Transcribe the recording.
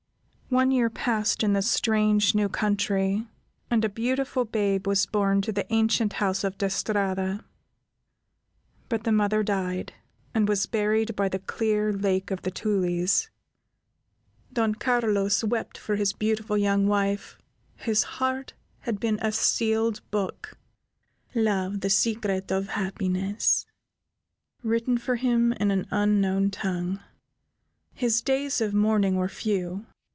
One year passed in the strange, new country, and a beautiful babe was born to the ancient house of De Strada, but the mother died, and was buried by the clear Lake of the Tulies. Don Carlos wept for his beautiful young wife, whose heart had been a sealed book, "Love, the Secret of Happiness," written for him in an unknown tongue. His days of mourning were few.